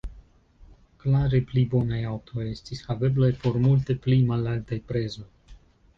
Klare pli bonaj aŭtoj estis haveblaj por multe pli malaltaj prezoj.